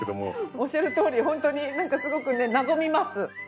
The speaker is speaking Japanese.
おっしゃるとおりホントになんかすごくね和みます。